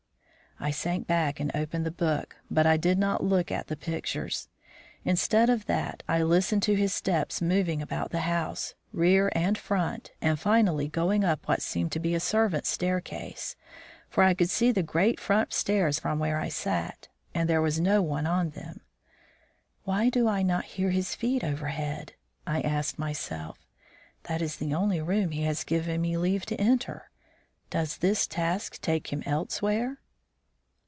I sank back and opened the book, but I did not look at the pictures. Instead of that I listened to his steps moving about the house, rear and front, and finally going up what seemed to be a servant's staircase, for I could see the great front stairs from where I sat, and there was no one on them. "Why do I not hear his feet overhead?" I asked myself. "That is the only room he has given me leave to enter. Does his task take him elsewhere?"